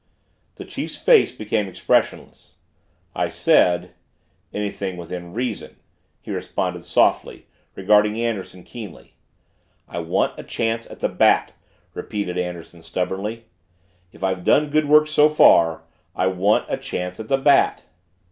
The chief's face became expressionless. "I said anything within reason," he responded softly, regarding Anderson keenly. "I want a chance at the Bat!" repeated Anderson stubbornly. "If I've done good work so far I want a chance at the Bat!"